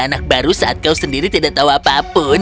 anak baru saat kau sendiri tidak tahu apapun